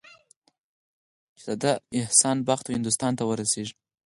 شهزاده احسان بخت هندوستان ته ورسیږي.